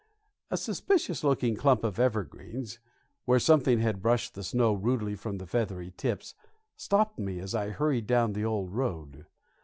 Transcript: A suspicious looking clump of evergreens, where something had brushed the snow rudely from the feathery tips, stopped me as I hurried down the old road.